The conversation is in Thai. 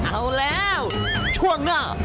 เอาแล้วช่วงหน้า